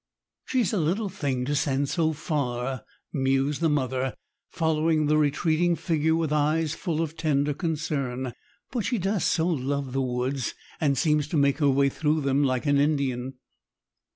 "She's a little thing to send so far," mused the mother, following the retreating figure with eyes full of tender concern. "But she does so love the woods, and seems to make her way through them like an Indian."